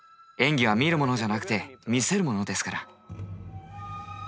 演技は見るものじゃなくて見せるものですから。